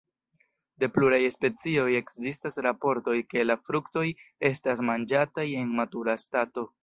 De pluraj specioj ekzistas raportoj, ke la fruktoj estas manĝataj en matura stato.